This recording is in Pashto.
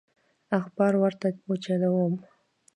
اخبار ورته وچلوم.